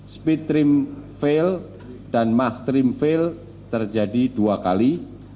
speed trim fail dan mach trim fail terjadi dua kali